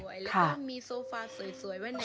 แล้วก็มีโซฟาสวยไว้ใน